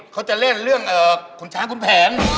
เขาจะเล่นเรื่องคุณช้างคุณแผน